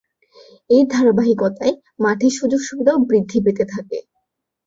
এর ধারাবাহিকতায় মাঠের সুযোগ-সুবিধাও বৃদ্ধি পেতে থাকে।